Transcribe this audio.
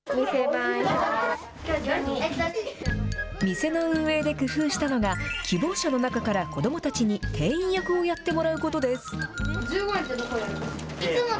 店の運営で工夫したのが、希望者の中から子どもたちに店員役をやってもらうことです。